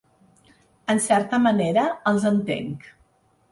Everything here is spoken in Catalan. En certa manera, els entenc.